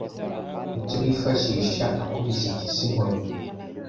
icyo bifashisha akubise impyisi inkoni